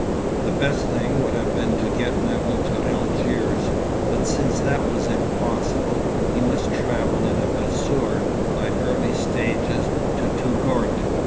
The best thing would have been to get Nevill to Algiers, but since that was impossible, he must travel in a bassour, by easy stages, to Touggourt.